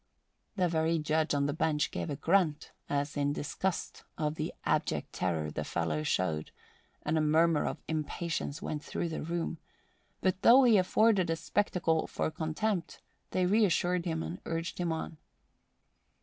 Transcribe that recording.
The very Judge on the bench gave a grunt as in disgust of the abject terror the fellow showed, and a murmur of impatience went through the room; but though he afforded a spectacle for contempt, they reassured him and urged him on.